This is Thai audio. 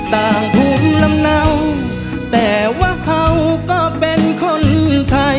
ต่างภูมิลำเนาแต่ว่าเขาก็เป็นคนไทย